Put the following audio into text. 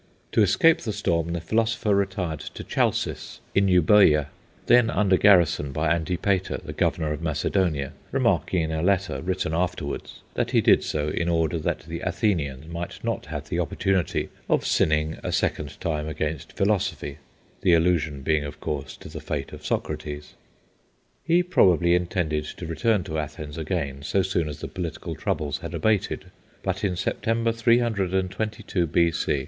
To escape the storm the philosopher retired to Chalcis, in Eubœa, then under garrison by Antipater, the Governor of Macedonia, remarking in a letter, written afterwards, that he did so in order that the Athenians might not have the opportunity of sinning a second time against philosophy (the allusion being, of course, to the fate of Socrates). He probably intended to return to Athens again so soon as the political troubles had abated, but in September, 322 B.C.